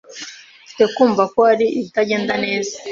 Mfite kumva ko hari ibitagenda neza.